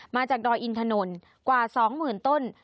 มาจากดอยอินถนนกว่าสองหมื่นต้น